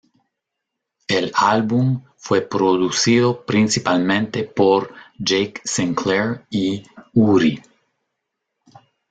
El álbum fue producido principalmente por Jake Sinclair y Urie.